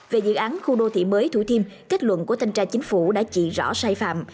về dự án khu đô thị mới thủ thiêm kết luận của thanh tra chính phủ đã chỉ rõ sai phạm